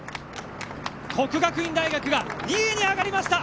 國學院大学が２位に上がりました。